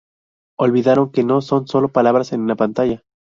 Olvidaron que no son solo palabras en una pantalla.